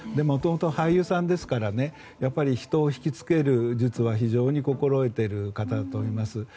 もともと俳優さんですから人を引き付ける術は非常に心得ている方だと思います。